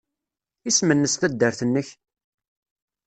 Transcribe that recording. Isem-nnes taddart-nnek?